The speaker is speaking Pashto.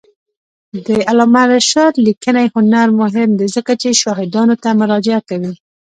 د علامه رشاد لیکنی هنر مهم دی ځکه چې شاهدانو ته مراجعه کوي.